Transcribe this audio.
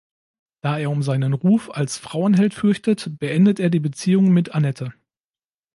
Da er um seinen Ruf als Frauenheld fürchtet, beendet er die Beziehung mit Annette.